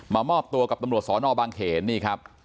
มอบตัวกับตำรวจสอนอบางเขนนี่ครับ